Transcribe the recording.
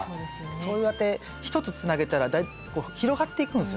そうやって一つつなげたら広がっていくんですよね。